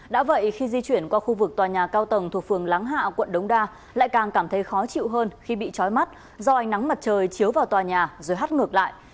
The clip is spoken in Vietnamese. đã vậy khi di chuyển qua khu vực tòa nhà cao tầng thuộc phường láng hạ quận đống đa lại càng cảm thấy khó chịu hơn khi bị chói mắt do ánh nắng mặt trời chiếu vào tòa nhà rồi hát ngược lại